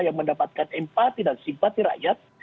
yang mendapatkan empati dan simpati rakyat